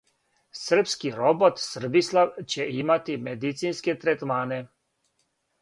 Србски робот Србислав ће имати медицинске третмане!